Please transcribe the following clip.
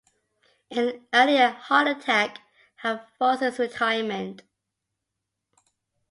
An earlier heart attack had forced his retirement.